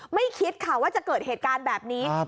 ไม่คิดค่ะว่าจะเกิดเหตุการณ์แบบนี้